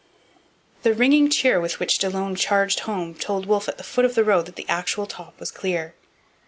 The ringing cheer with which Delaune charged home told Wolfe at the foot of the road that the actual top was clear.